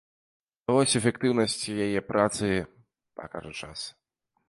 А вось эфектыўнасць яе працы пакажа час.